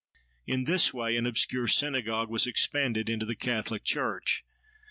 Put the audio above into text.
In this way an obscure synagogue was expanded into the catholic church.